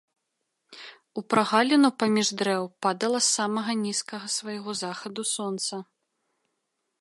У прагаліну паміж дрэў падала з самага нізкага свайго захаду сонца.